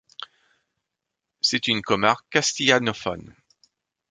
C'est une comarque castillanophone.